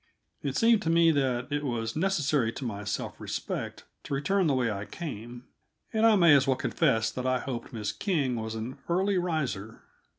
It seemed to me that it was necessary to my self respect to return the way I came and I may as well confess that I hoped Miss King was an early riser.